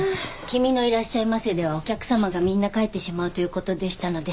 「君のいらっしゃいませではお客さまがみんな帰ってしまう」ということでしたので。